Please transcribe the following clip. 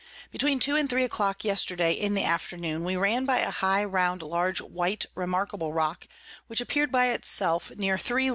Between two and three a clock yesterday in the Afternoon we ran by a high round large white remarkable Rock, which appear'd by it self near 3 Ls.